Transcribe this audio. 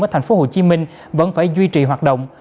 ở tp hcm vẫn phải duy trì hoạt động